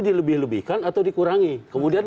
dilebih lebihkan atau dikurangi kemudian